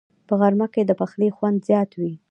په غرمه کې د پخلي خوند زیات وي